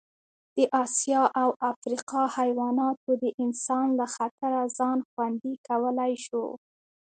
د اسیا او افریقا حیواناتو د انسان له خطره ځان خوندي کولی شو.